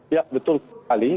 iya betul sekali